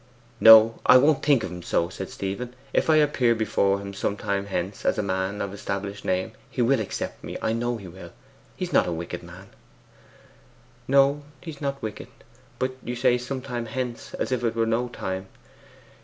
'No; I won't think of him so,' said Stephen. 'If I appear before him some time hence as a man of established name, he will accept me I know he will. He is not a wicked man.' 'No, he is not wicked. But you say "some time hence," as if it were no time.